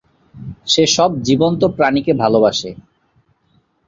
যে সব জীবন্ত প্রাণীকে ভালবাসে।